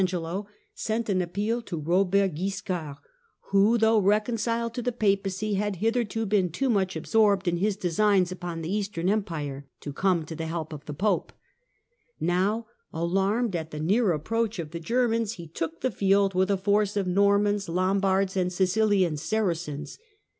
May 25, 1085 Death of Robert Guiscard, July 17, 1085 Aiigelo, sent an appeal to Eobert Guiscard, who, though reconciled to the Papacy, had hitherto been too much absorbed in his designs upon the Eastern Empire (see chap. X.) to come to the help of the Pope. Now, alarmed at the near approach of the Germans, he took the field with a force of Normans, Lombards, and Sicilian Saracens.